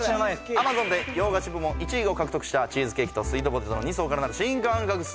Ａｍａｚｏｎで洋菓子部門１位を獲得したチーズケーキとスイートポテトの２層からなる新感覚スイーツ